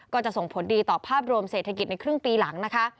ก็จะส่งผลดีต่อภาพรวมเศรษฐกิจในครึ่งปีหลังนะคะ